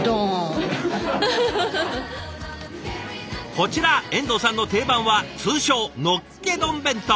こちら遠藤さんの定番は通称のっけ丼弁当。